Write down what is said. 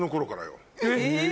えっ！